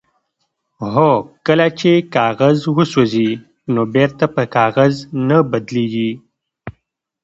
هو کله چې کاغذ وسوځي نو بیرته په کاغذ نه بدلیږي